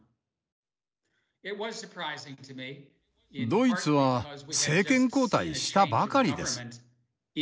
ドイツは政権交代したばかりです。